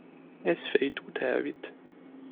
As Fate Would Have It